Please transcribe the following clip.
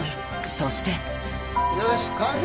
そしてよし完成。